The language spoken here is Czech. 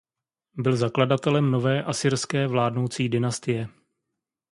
Byl zakladatelem nové asyrské vládnoucí dynastie.